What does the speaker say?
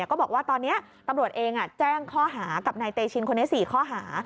ก็บอกว่าตอนนี้ตำรวจเองแจ้งข้อหากับนายเตชินคนนี้๔ข้อหา